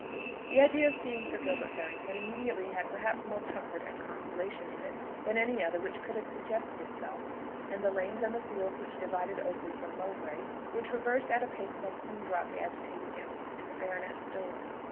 The idea of seeing Sir Gilbert Harrington immediately had perhaps more comfort and consolation in it than any other which could have suggested itself, and the lanes and the fields which divided Oakley from Mowbray were traversed at a pace that soon brought the agitated young man to the baronet's door.